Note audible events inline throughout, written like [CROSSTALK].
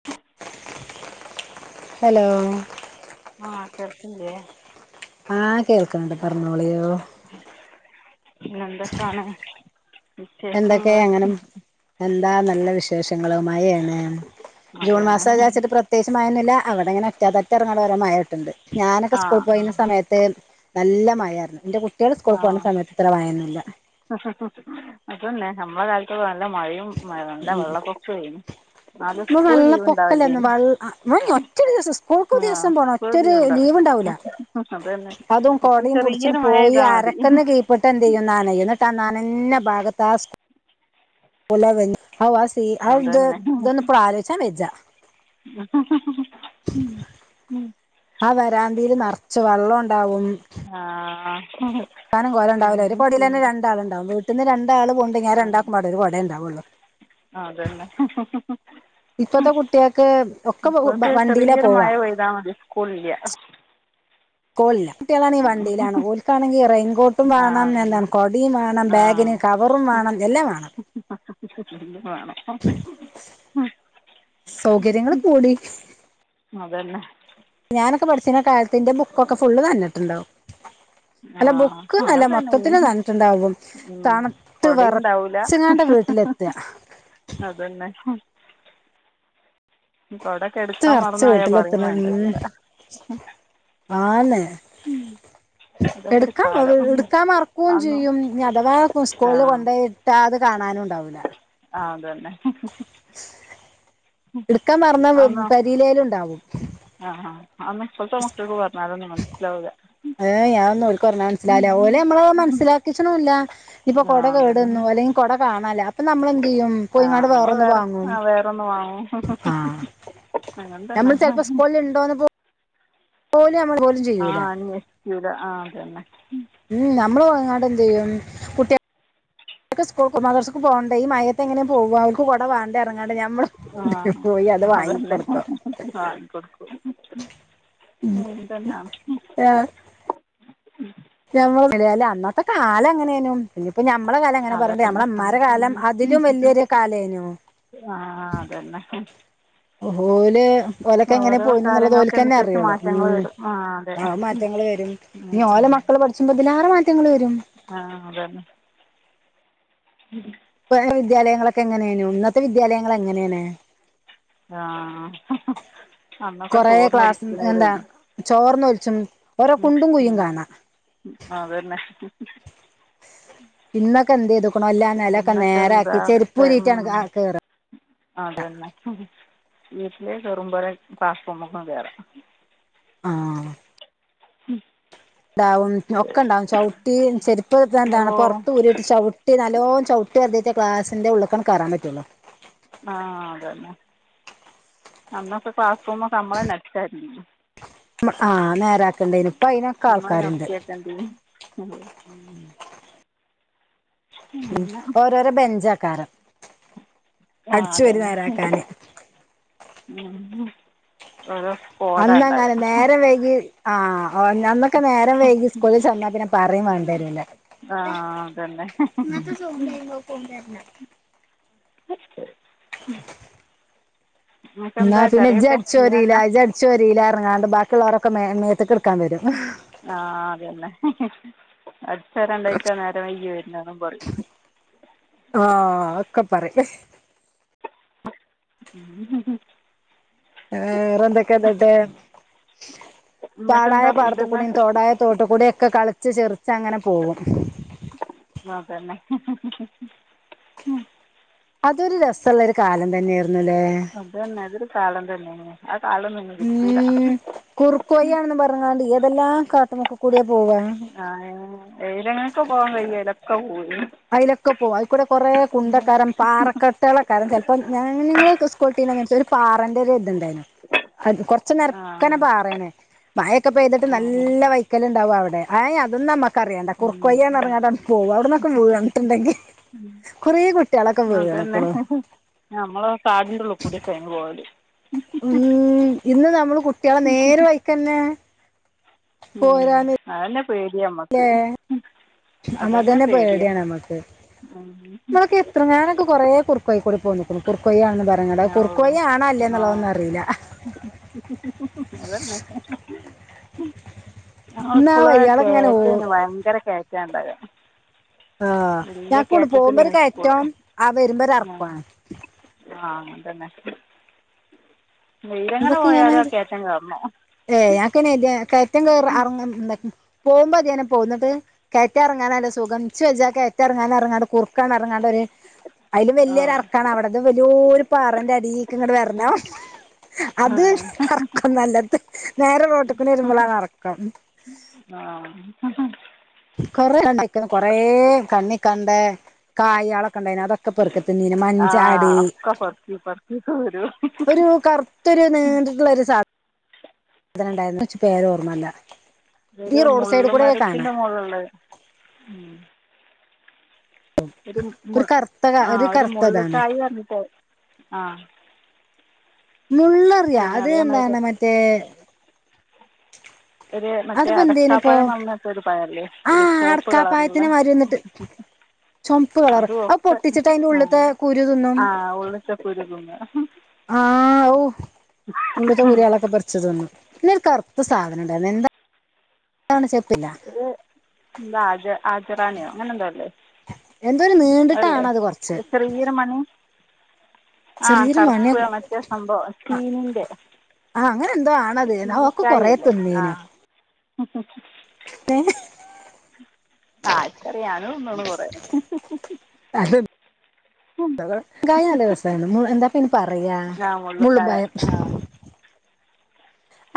[INAUDIBLE] Hello ആഹ് കേൾക്കുന്നില്ലേ ആഹ് കേൾക്ക്ന്ണ്ട് പറഞ്ഞോളിയോ പിന്നെന്തൊക്കാണ് എന്തൊക്കെ വിശേഷങ്ങള് അങ്ങനെ എന്താ നല്ല വിശേഷങ്ങള് മഴേണ് ജൂൺ മഴയാണ് മാസ വിചാച്ചിട്ട് പ്ര ത്യേകിച്ച് മാഴൊന്നും ഇല്ല അവിടെങ്ങനെ ഒറ്റ പാറ്റ പറഞ്ഞ്കാണ്ട് ഓരോമഴ കിട്ട്ൻണ്ട് ഞാനൊക്കെ സ്കൂൾ ആഹ് പോയീന്ന സമയ ത്ത് നല്ല മഴാരുന്നു ഇന്റെ കുട്ടിയാള് ആഹ് സ്കൂൾകോണ സമയത്ത് ഇത്ര മഴൊന്നുല്ല അതന്നെ നമ്മുടെ കാലത്തൊക്കെ നല്ല മഴയും നല്ല വെള്ളക്കൊവും ആയിന്ന് അന്ന് നല്ല പോക്ക എല്ലായ്‌നാ വെള്ള ആഹ് ഇവൻ ഒറ്റരു ദിവസം സ്കൂൾക്ക് ആഹ് ദിവസം പോണം സ്കൂൾ റ്റൊരു ലീവ് ഉണ്ടാവില്ല ലീവിണ്ടാവ്ല അതന്നെ അതും ഇപ്പൊ കൊടിം പുട്ച്ചണ് ചെറിയൊരു മഴ പോയി പെയ്താ മതി അരക്കന്ന് കീ പ്പട്ടന്തെയ്യും നനയും ഇന്നിട്ടാ നാനഞ്ഞ ഭാഗത്താ സ് പോലെ [UNINTELLIGIBLE] ഔ ആഹ് സീൻ ആഹ് ത് അതന്നെ തൊന്നുപ്പാലോയ്ച്ചാ വെജ്ജാ ഹ ഹ ഹ ആഹ് വരാന്തീൽ നർച്ച് വള്ളൊണ്ടാവും ആഹ് ക്കാനും കൊരണ്ടാവ്ല ഒരു അങ്ങനെ ചെയ്യും കൊടീലെന്നെ രണ്ടാളിണ്ടാവു വീട്ടിന്ന് രണ്ടാള് പോണ്ടെങ്കി ആഹ് രണ്ടാക്കും പാടെ ഒരു കൊടേണ്ടാവൊള്ളു അതന്നെ ഇപ്പത്തെ കുട്ട്യാക്ക് ഒക്കെ [UNINTELLIGIBLE] വണ്ടീലാ ചെറീയ്യൊരു പോവാ മഴ പെയ്താ മതി സ്കൂള് ഇല്ല്യ കോൾ ല്ല കുട്ട്യാളാണേ വണ്ടീലാണ് ഓൽക്കാണെങ്കി റെയിൻകോട്ടും ആ വേണം അതന്നെ എന്താണ് കൊടിം വേണം ബാഗിന് കവറും വാണം എല്ലാം വാണം എല്ലും മാണം സൗകര്യങ്ങൾ കൂടി അതന്നെ ഞാനൊക്കെ പഠിച്ചീന കാൽത്ത് ഇന്റെ ബുക്കൊക്കെ ഫുള്ള് നൻഞിട്ടിണ്ടാവും. ആ അല്ല ബുക്ക് നല്ല അങ്ങനെ തന്നെ മൊത്തത്തിൽ നൻഞിട്ടിണ്ടാകും തണ്ത്ത് കുടയും ഉണ്ടാവില്ല വെറച്ചിങ്ങാണ്ട വീട്ടിലെ ത്ത അതന്നെ കുട ഒക്കെ ത്ത എടുക്കാൻ വെർച്ച് മറന്നുപോയാൽ പറയും വീട്ടിലെത്തണം വേണ്ടതില്ല ആന്ന് അതൊക്കെ ഒരു എടുക്കാ കാലം എടുക്കാൻ മറക്കയും അന്ന് ചെയ്യും അഥവാ ആ സ്കൂളില് കൊണ്ട ട്ടാ അത് കാണാനും ഉണ്ടാവില്ല ആഹ് അതന്നെ ഇടുക്കൻ മറഞ്ഞ പെരിലെലും ഇണ്ടാവും ആഹ് ആഹ് അന്നും ഇപ്പോഴത്തെ മക്കൾക്കൂ പറഞ്ഞ അതൊന്നന്ന് മനസ്സിലാവുല്ല ഏഹ് ആഹ് ഒന്നും ഓല്ക്ക് പറഞ്ഞ മനസാല്ലവൂല്ല ഓലെ നമ്മള് മനസ്സിലാക്ക ച്ച്ന്ണും ഇല്ല ഇപ്പൊ ആ കൊട അതന്നെ കേടുന്നു അല്ലെങ്കി കൊട കാണാല്ല ഇപ്പൊ നമ്മൾ എന്ത് ചെയ്യും ആ പോയിങ്ങാട് വേറെ നമ്മൾ ഒന്ന് വാങ്ങും ആ വേറൊന്ന് വാങ്ങും ആഹ് അങ്ങനെ തന്നെ നമ്മൾ ചിലപ്പോ സ്കളിൽ ഇണ്ടോന്ന് പോ പോല് നമ്മ ആഹ് ഇട്ട് ഇത് ആഹ് അതന്നെ ഉം നമ്മള്പോയ്‌ങ്ങാട് എന്ത് ചെയ്യും കുട്ടിക സ്കൂൾ മദറസ്ക്ക് പോകണ്ടെ ഈ മഴത്ത് എങ്ങനെ പോക അവക്ക് കൊടവേണ്ടേന്ന് പറഞ്ഞ് ക്കാണ്ട് നമ്മള് നിട്ട് പോയി അത് വാങ്ങിക്കൊടുക്കും വാങ്ങി കൊടുക്കും അങ്ങനെതന്നെ യാണ് ഏഹ് നമ്മൾ അന്നത്തെ കാലം എങ്ങനെയ്നു പിന്നയിപ്പ നമ്മളെ കാലം എങ്ങനെ പറയന്ന്ണ്ട് അതന്നെ നമ്മളെ ഇമ്മരെ കാലം അതിലും വലിയൊരു കാലായിനു ആഹ് അതന്നെ ഓ ഓല് ഓലൊക്കെ എങ്ങനെ ഓരോ പോയിന് എന്നുള്ളത് ഓല്ക്കന്നെ കാലങ്ങൾക്കനുസരിച്ച് അറിയോുള്ളൂ മാറ്റങ്ങൾ ഉം വരും ആ അതെ ആ മാറ്റങ്ങള് വരും ഉം ഇനി ഓല മക്കള് പഠിച്ച്ബ ഇതിലറെ മാറ്റങ്ങള് വരും. ആഹ് അതന്നെ ഉം വേറെ വിദ്യാലയങ്ങളൊക്കെ എങ്ങനെയ്ന്നു ഇന്നത്തെ വിദ്യാലയങ്ങൾ എങ്ങനെയാണ്? ആഹ് അന്നൊത്തെ കൊറേ ചോറിന് ക്ലാസ് നിക്കണം വരി എന്താ ചോർന്നൊലിച്ചും. ഓരോ ഉം കുണ്ടും കുഴിയും ഉം കാണാം അതന്നെ ഇന്നൊക്കെ എന്ത് ചെയ്തുക്ക്ണു ഓല് ആഹ് നിലൊക്കെ ഇന്നൊക്കെ നേരാക്കി എന്താ ചെരുപ്പ്‌ ഉരീട്ടാണ് ഉം കേറയാ അതന്നെ വീട്ടില് കേറുമ്പോ ലെ ബാ ത് റൂമുക്കും കെര ആഹ് [UNINTELLIGIBLE] ഉണ്ടാവും ഒക്കെ ഉണ്ടാവും ചവിട്ടി ചെരുപ് എന്താണ് ഓ പുറത്ത് ഊരിട്ട് [UNINTELLIGIBLE] കുട്ടി നല്ലോ ചവിട്ടി ഓർദീറ്റ് ക്ലാസിന്റെ ഉള്ളക്ക ആണ്ട് കേറാൻ പറ്റുള്ളോ ആഹ് അത് തന്നെ അന്നൊക്കെ ക്ലാസ്റൂമ ഒക്കെ നമ്മളെന്ന അടിച്ചോരണം ആനേരാക്കേണ്ടനി ഇപ്പ അതിനൊക്കെ നമ്മളെ ആൾക്കാരുണ്ട് [UNINTELLIGIBLE] [INAUDIBLE] ഉം പിന്നെ ഓരോരോ ബെഞ്ച് ആക്കാരം ആ അടിച്ചു ചൊറി അതന്നെ നേരം ആക്കാന് [UNINTELLIGIBLE] അന്നങ്ങ ഉണ്ടാകുക നേരം വൈകി ആഹ് അന്നൊക്കെ നേരം വൈകി സ്കൂളിന്നാ പിന്നെ പറിം വേണ്ടരൂല്ല ആഹ് അതന്നെ [UNINTELLIGIBLE] നിങ്ങൾക്ക് എന്നാ എന്താ പിന്നെ കറിയൊക്കെ ഇജ്ജ്രിയില മീനെന്നാ ഇജ്ജ്രിയില പറങ്ങാണ്ട് ബാക്കിയുള്ളരൊക്കെ മേ മേത്ത് കിടുക്കാൻ വരും ആഹ് അതന്നെ അടിച്ചരണ്ടാഴിട്ടാ നേരം വെയ്ക്കി വരുന്നുന്നും പറിം ആഹ് അക്കപ്പറിം [UNINTELLIGIBLE] ഏഹ് വേറെന്താക്കേന്നിട്ട് നിങ്ങൾക്ക് പാടായ എന്താ ഫുഡ് ഇന്ന് പാടത്തുകൂടിയും തോടായ തോട്ടുകൂടിയ ഒക്കെ കളിച്ച് ചിറിച്ച അങ്ങനെ പോകും അതന്നെ അതൊരു രസള്ള ഒരു കാലം തന്നെയായിരുന്നുല്ലേ അതന്നെ അതിരു കാലം തന്നെ ആഹ് കാലന്നും ഇനി കിട്ടൂല കുറുക്കുവഴി ആണെന്ന് പറഞ്ഞാണ്ട് ഏതെല്ലാം കാട്ടുമുക്കുകൂടിയാ പോവ ആഹ് ഏലങ്ങക്കെ പോവാൻ കയ്യും ലൊക്കെ പോയിനു അതിലൊക്കെ പോകും അതിക്കൂടെ കുറെ കുണ്ടക്കാരം പാറക്കെട്ടകളക്കാരൻ ച പ്പം ഞങ്ങ നിങ്ങള് സ്കൂട്ടീച്ച ഒരു പാറൻ്റെ ഒരു ഇതുണ്ടായിരുന്നു അത് കൊറച്ച ആ നേരക്കനെ ആ പാറയണേ മഴൊക്കെ പെയ്തിട്ട് ഉം നല്ല വയ് വക്കലുണ്ടാവും അവിടെ എയെ അതന്നും നമുക്കറിയണ്ട കുർ ഉം കൊയ്യന്ന് പറങ്ങിക്കണ്ട് പോവും അവിടുന ക്കെ വണിട്ടുണ്ടെങ്കിൽ കുറേ കുട്ടികളൊക്കെ വീണ ക്കുന്നു ആഹ് നമ്മൾ കാടിന്റെ ഉള്ളൂക്കുടിക്കെ ഞങ്ങൾ പോവല് ഉം ഇന്ന് നമ്മള് കുട്ടികളെ നേരെ വൈക്ക്ന്നെ ഉം അതന്നെ പേടിയമ്മക്ക് നമ്മതന്നെത പരിടിയാണ് നമ്മുക്ക് ഉം നമ്മളൊക്കെ എത്ര നോനൊക്കെ കൊറേ കുക്കയിക്കൂടി പോയിനി [UNINTELLIGIBLE] ആണെന്ന് പറയട്ട് അത് ഓ കുറുക്കൊയ്യ ആണ അല്ലേ എന്നുള്ളതന്നും അറിയില്ല അതന്നെ ങ്ങ എന്നാ സ്കൂള് വയ്യാളിങ്ങനെ ഓ കേറ്റന് ഭയങ്കര കേറ്റാണ്ടവ ആഹ് ഞാക്കുണ്ട് പോകുമ്പോ ഒരു സ്കൂൾ കയറ്റം ആഹ് വരുമ്പോ ഒരർക്കാണ് ആഹ് അങ്ങാത്തന്നെ എയിലങ്ങനെ പോയാലും ആഹ് കേറ്റം കേറണം ഏഹ് ഞനക്ക്ന്നെ കയറ്റം [UNINTELLIGIBLE] പോകുമ്പോ അധ്യനം പോക്കും എന്നിട്ട് കയറ്റം ഇറങ്ങാനല്ല സുഖം ഇച്ച് വെച്ചാ അഹ് കയറ്റം ഇറങ്ങാൻ പറഞ്ഞ് കണ്ട് കുർക്കൻ ഇറങ്ങാണ്ടരു അതില് ആ വല്യൊരുറക്കാണ് അവിന്ന് വലിയൊരു പാറന്റെ അടിക് ഇങ്ങട്ട് വരണം ആ അത് ഇറക്കം നല്ലത് നേരെ റോട്ടിക്കണ വരുമ്പോളാറക്കം ആഹ് [UNINTELLIGIBLE] കൊറേ കണ്ണി കണ്ട കായ ആളൊക്കെണ്ട അതൊക്കെ ക്കപ്പറക്കി [UNINTELLIGIBLE] ആ മഞ്ചാടി ഒക്കെ പെറുക്കി പെറുക്കി വരും ഒരു കറ ത്തരു നിണ്ടിട്ടുള്ള ഒരു സാ താനം ഇണ്ടായിരുന്നു ഇച്ച് പേരോർമല്ല ഇതൊരു മുള്ള് മരത്തിന്റെ മോളിലുള്ളെ ഒരു മു ആഹ് ഒരു മുള്ള്കായി പർഞ്ഞിട്ടെ ആഹ്. മുള്ളറിയാ പിന്നെ അത് അതേമാതിരി എന്താണ് മറ്റേ ഒരു മറ്റേ അതിപ്പോ എന്തേനിപ്പോ അടക്കാപ്പഴം എന്നിറഞ്ഞിട്ടൊരു പഴല്ലേ ആ ഒരു ചോപ്പ് കളറിലുള്ളെ അടക്കാപ്പായത്തിനെ മാതിരി വന്നിട്ട് ചുമപ്പ് കളർ അതും അത് ഒക്കെ പൊട്ടിച്ചിട്ട് അതിന്റെ ആഹ്, ഉള്ളിത്തെ കുരു തിന്നും ആഹ് ഉള്ള്ത്തെ കുരും തിന്നാ. ആഹ ഔ ഉള്ളത്തെ കുരൊളൊക്കെ പറിച്ച് തിന്നാ പിന്നെരു കറുത്ത സാധനം ഉണ്ടായിരുന്നു എന്താ അതാണ് ചെലപ്പില്ല ഒര് ന്താ ആജ ആജറാണ്യോ അങ്ങനെന്തോ അല്ലേ. എന്തോ ഒരു അതല്ലേ നീണ്ടിട്ടാണ് അത് കുറച്ച് ഒരു ചെറിയൊരു മണി ആഹ് ചെറിയൊരു കറുപ്പ് മണിയൊക്കെ മറ്റേ സംഭവം ചീനിന്റെ ആഹ് അങ്ങനെന്തോ ആണത് ഞാനതൊക്കെ കൊറെ തിന്നേനു അ അ തെ ആർക്കറിയാ ഞാനും തിന്ന്ണ് കൊറേ [UNINTELLIGIBLE] കായം നല്ല രസാണ്. എന്താ പയ്ന് പറയാ ആ മുള്ളും മുള്ളിക്കായ പയം. ആ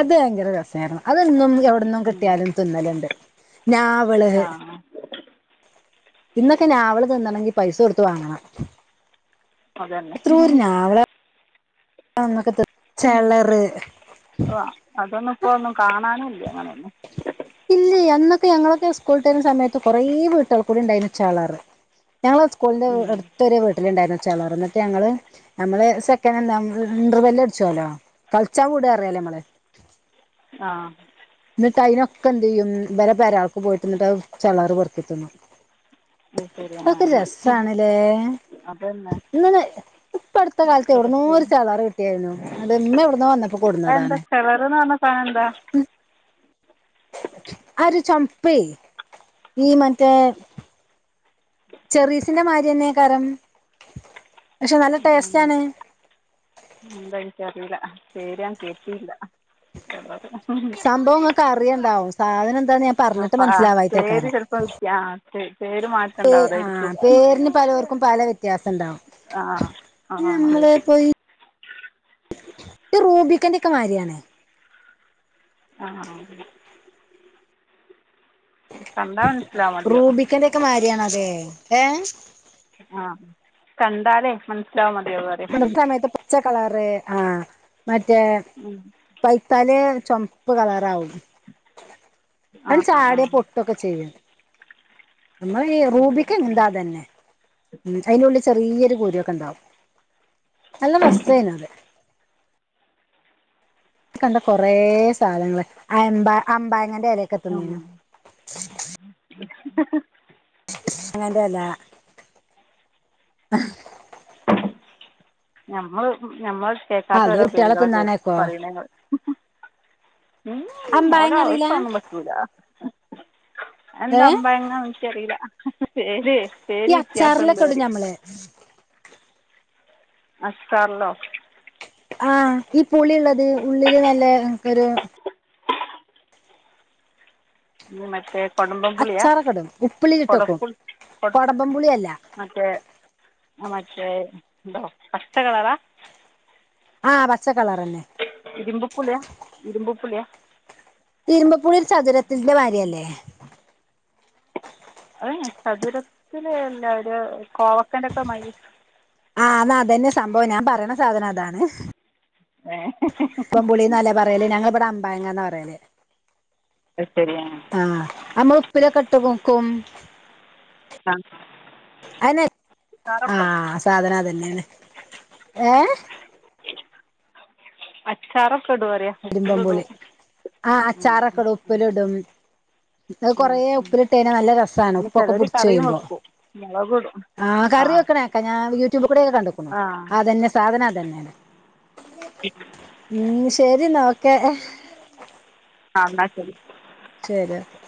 അത് ഭയങ്കര രസമായിരുന്നു അതൊന്നും എവിടന്നും കിട്ട്യാലും തിന്നലുണ്ട് ഞാവള് ആ ഇന്നൊക്കെ ഞാവള് തിന്നണെങ്കിൽ പൈസ കൊടുത്ത് വാങ്ങണം അതെന്നെ. ആഹ് ഒന്നൊക്കെ ത് ഉം ഓ അതൊന്നും ഇപ്പൊ ഒന്നും കാണാനുല്ല അങ്ങനൊന്നും ഇല്ല അന്നൊക്കെ ഞങ്ങളൊക്കെ സ്കൂളിട്ട് വരുന്ന സമയത്ത് കുറെേ വീട്ടൾ കൂടെ ഉണ്ടായിരുന്നു ചെളറ് ഞങ്ങളെ സ്കൂളിന്റെ എടുത്തൊരു വീട്ടിലുണ്ടായിരുന്നു ചെളറ് എന്നിട്ട് ഞങ്ങള് നമ്മള് സെക്കനാന്റ് ഇന്റർ വെല്ല് അടിച്ചോല്ലോ കളിച്ചാൻ വിടറിയല്ലേ നമ്മള് ആഹ് ഇന്നിട്ട് അയിനൊക്കെ എന്ത് ചെയ്യും ഇവരെ പെരാൾക്ക് പോയിട്ടിന്നിട്ട് ചെളറ് പെറുക്കിത്തിന്നും ഐശെരി, ആഹ് രസാണ്ല്ലേ അതെന്നാ ഇപ്പട്ത്ത കാൽത്ത് എവ്ട്ന്നോ ഒര് ചെളാറ് കിട്ടിയാര്ന്നു. അത് മ്മ എവിട്ന്നോ വന്നപ്പോ കൊട്ന്നാ അതെന്താ ചെളർ ന്ന് പർഞ്ഞ സാനെന്താ? ആ ഒരു ചെമപ്പെ ഈ മറ്റേ ചെറീസിന്റെ മാരിന്നെയ്ക്കാരം പക്ഷെ നല്ല എന്താ ടേസ്റ്റാണ് എന്താ എനിക്കറിയൂല പേര് ഞാൻ കേട്ടീല സംഭവം ഇങ്ങക്ക് അറിയണ്ടാവും സാധനം എന്താന്ന് ഞാൻ പറഞ്ഞിട്ട് അപ്പ ആഹ്, പേര് മനസ്സിലാവായിട്ടേക്കാരം ചെൽപ്പം വിത്യാ പേ പേര് മാറ്റണ്ടാവും ആ അതേരിക്കും. പേരിന് പലോർക്കും പല വ്യത്യാസം ഇണ്ടാവും ആഹ് ആഹ് ആഹ് ആഹ് ഈ റൂബിക്കന്റെക്കെ മാര്യാണ്. ആഹ്, ആഹ് കണ്ടാ മനസ്സ്ലാ മത്യാ [UNINTELLIGIBLE] ക്കെന്റെക്കെ മാരിയാണല്ലെ അതെ ഏഹ് ആഹ് കണ്ടാലേ മനസ്സിലാവ മതിയാവും പറയാം സമയത്ത് പച്ച കളറ് ആഹ് മറ്റേ ഉം പയ്ത്താല് ചൊംപ്പ് കളറാവും. അ ആ [UNINTELLIGIBLE] ആ ചാട്യാ പൊട്ടു ട്ടൊക്കെ ചെയ്യും നമ്മൾ ഈ റൂപിക്ക ശരി എന്താ അതന്നെ ഉം, അയ്ൻ്റുള്ളി ചെറിയൊരു കുരൊക്കെണ്ടാവും. നല്ല രസ്സേനത്. കണ്ട കൊറെ സാധനങ്ങള് അയെമ്പാ അമ്പയങ്ങന്റെ എലൊക്കെ ഉം തിന്നിണേനു [INAUDIBLE] ന്റെ എല ഞമ്മള് ഞമ്മള് അത് കേക്കാത്തോരോ കുട്ടികളെ പേരുകളൊക്കെ തിന്നാനേക്കോ പറയുന്നേ ഇങ്ങള് ഉം, ഉം ഓല അമ്പായങ്ങ അറിയില്ല ഓൽക്ക ഒന്നും പറ്റൂലാ എന്താ ഏ അമ്പയങ്ങ എനിക്കറിയില്ല പേരെ ഈ പേര് വ്യത്യാസം അച്ചാറിലൊക്കെ ഇണ്ടറിയാ [INAUDIBLE] [UNINTELLIGIBLE] ആഹ് ഈ പുളിള്ളത് ഉള്ളില് നല്ല ഒരു ഈ മറ്റേ കൊടമ്പൻ പുളിയാ അച്ചാറൊക്കെ ഇടും ഉപ്പിലിട്ടക്കും കൊടപുളി കൊ കൊടമ്പം പുളിയല്ല മറ്റേ മറ്റേ എന്തോ പച്ചകളറാ ആഹ് പച്ചക്കളറന്നെ ഇരുമ്പുപ്പളിയ ഇരുമ്പുപ്പളിയാ ഇരുമ്പപ്പുളി ഒരു ചതുരത്തിന്റെ മാര്യല്ലേ ഏഹ് ചതുരത്തിലല്ല ഒരു കോവക്കന്റെക്കെ മായിരി ആഹ് എന്നാതന്നെ സംഭവം ഞാൻ പറയണ സാധനതാണ് ഏ ഇരിമ്പപുളി നല്ല പറയലേ ഞങ്ങളിവിടെ അമ്പയങ്ങന്നറയല് ആഹ് ശരി ആഹ് ആഹ് അമ്മള് ഉപ്പിലെക്കെട്ട് ബെക്കും ആഹ് അയന്നെ ആഹ് സാധന ആത് തന്നെയണ് ഏഹ് അച്ചാറൊക്കടോ പറയാ ഇരുമ്പപുളി ആഹ് അച്ചാറൊക്കെ ഇടും ഉപ്പിലിടും അത് കെറേ ഉപ്പിലിട്ടയിഞ്ഞാ നല്ല രസാണ് ഉപ്പൊക്കെ പുടിച്ച്യ്മ്പോ മൊളക്കിടും ആഹ് കറി വെക്കണക്കെ ഞാൻ യൂട്യൂബ് കൂടെയൊക്കെ കണ്ടുക്കണു ആ അതന്നെ സാധനതന്നെയാണ് ഉം ശരിന്നാനോക്കേ ആഹ് എന്ന ശെരി ശരി ഓക്കെ